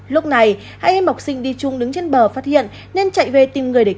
lúc này hai em học sinh đi chung đứng trên bờ phát hiện nên chạy về tìm người để